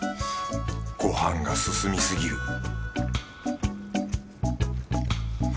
ご飯が進みすぎる